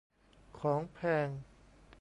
ของแพง